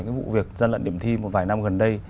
cái vụ việc gian lận điểm thi một vài năm gần đây